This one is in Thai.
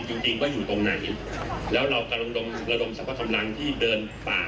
จริงจริงว่าอยู่ตรงไหนแล้วเรากำลังดมระดมสรรพกำลังที่เดินป่า